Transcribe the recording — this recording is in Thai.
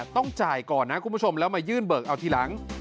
ต้องจ่ายก่อนนะคุณผู้ชมแล้วมายื่นเบิกเอาทีหลัง